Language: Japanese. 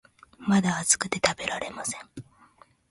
まだ熱くて食べられません